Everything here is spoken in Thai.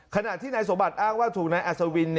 ขณะที่นายสมบัติอ้างว่าถูกนายอัศวิน